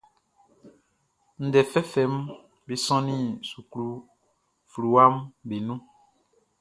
Ndɛ fɛfɛʼm be sɔnnin suklu fluwaʼm be nun.